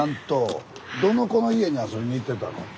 どの子の家に遊びに行ってたの？